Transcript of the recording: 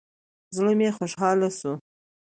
زړه مې خوشاله سو.